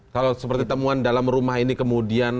kalau seperti temuan dalam rumah ini kemudian